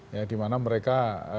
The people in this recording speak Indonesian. ya dimana mereka